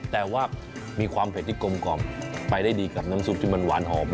แต่ว่ามีความเผ็ดที่กลมกล่อมไปได้ดีกับน้ำซุปที่มันหวานหอม